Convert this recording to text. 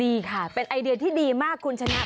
ดีค่ะเป็นไอเดียที่ดีมากคุณชนะ